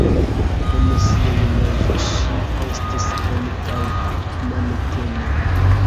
En sia junaĝo ŝi estis ankaŭ manekeno.